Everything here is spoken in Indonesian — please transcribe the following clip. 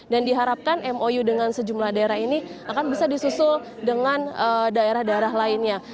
dan diharapkan mou dengan sejumlah daerah ini akan bisa disusul dengan daerah daerah lainnya